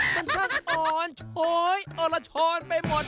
เป็นช่างอ่อนเฉยโอละช้อนไปหมด